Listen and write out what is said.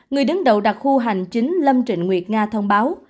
người đứng đầu đặc khu hành chính lâm trịnh nguyệt nga thông báo